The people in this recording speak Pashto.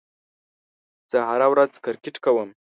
زه هره ورځ کرېکټ کوم.